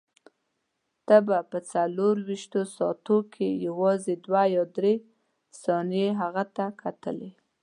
ته به په څلورویشتو ساعتو کې یوازې دوه یا درې ثانیې هغه ته کتلې.